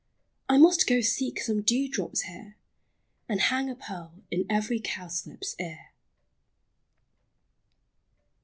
I must go seek some dewdrops here, And hang a pearl in every cowslip's ear.